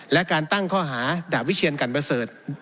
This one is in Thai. และการตั้งข้อหาดาวิเชียรกันเบอร์เสิร์ท